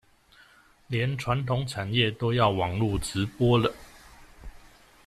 連傳統產業都要用網路直播了